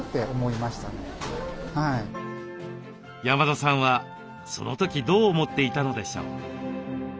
山田さんはその時どう思っていたのでしょう？